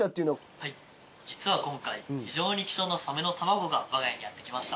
はい実は今回非常に貴重なサメの卵がわが家にやって来ました。